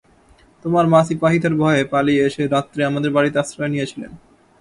তোমার মা সিপাহিদের ভয়ে পালিয়ে এসে রাত্রে আমাদের বাড়িতে আশ্রয় নিয়েছিলেন।